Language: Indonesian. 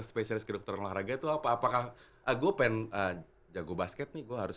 saja spesialis kedokteran olahraga itu apa apakah aku pengen jago basket nih gua harus